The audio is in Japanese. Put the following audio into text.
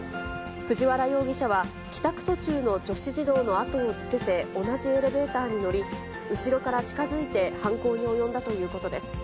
藤原容疑者は、帰宅途中の女子児童の後をつけて、同じエレベーターに乗り、後ろから近づいて、犯行に及んだということです。